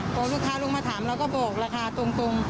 พอลูกค้าลงมาถามเราก็บอกราคาตรง